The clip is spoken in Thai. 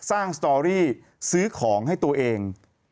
สตอรี่ซื้อของให้ตัวเอง